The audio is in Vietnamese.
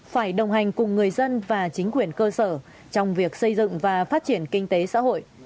phải đồng hành cùng người dân và chính quyền cơ sở trong việc xây dựng và phát triển kinh tế xã hội